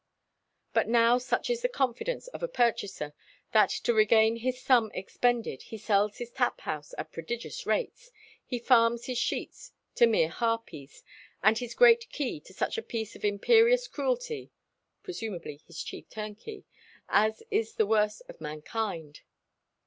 ... But now such is the confidence of a purchaser, that to regain his sum expended he sells his tap house at prodigious rates, ... he farms his sheets to mere harpies, and his great key to such a piece of imperious cruelty (presumably his chief turnkey) as is the worst of mankind."